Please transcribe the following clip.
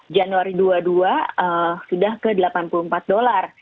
januari dua ribu dua puluh dua sudah ke delapan puluh empat dollar